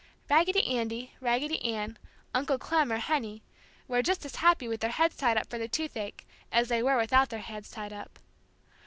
Raggedy Andy, Raggedy Ann, Uncle Clem, or Henny were just as happy with their heads tied up for the toothache as they were without their heads tied up.